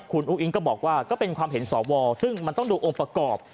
คุณอุ้งอิงก็บอกว่าก็เป็นความเห็นสวซึ่งมันต้องดูองค์ประกอบ